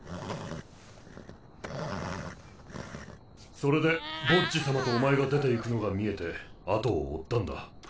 それでボッジさまとお前が出ていくのが見えて後を追ったんだ。